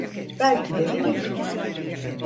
Belki de değildi.